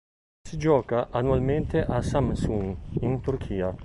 Si gioca annualmente a Samsun in Turchia.